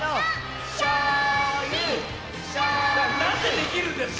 なんでできるんですか？